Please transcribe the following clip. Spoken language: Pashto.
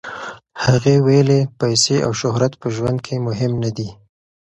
هغې ویلي، پیسې او شهرت په ژوند کې مهم نه دي.